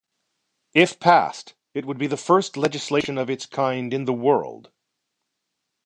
If passed, it would be the first legislation of its kind in the world.